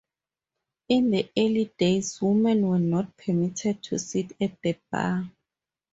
In the early days women were not permitted to sit at the bar.